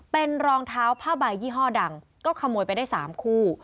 เป็นรองเท้าผ้าใบยี่ห้อดังก็ขโมยไปได้๓คู่